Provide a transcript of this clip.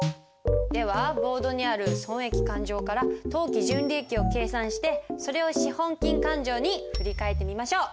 ではボードにある損益勘定から当期純利益を計算してそれを資本金勘定に振り替えてみましょう。